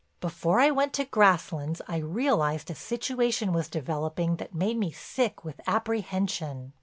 Before I went to Grasslands I realized a situation was developing that made me sick with apprehension.